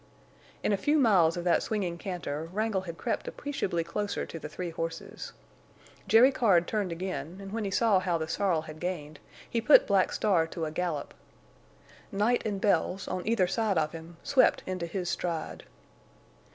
In a few miles of that swinging canter Wrangle had crept appreciably closer to the three horses. Jerry Card turned again, and when he saw how the sorrel had gained, he put Black Star to a gallop. Night and Bells, on either side of him, swept into his stride.